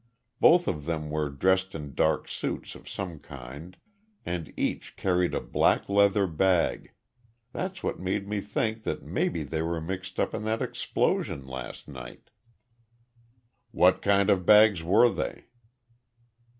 Both of them were dressed in dark suits of some kind and each carried a black leather bag. That's what made me think that maybe they were mixed up in that explosion last night." "What kind of bags were they?"